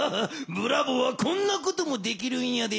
ブラボーはこんなこともできるんやで。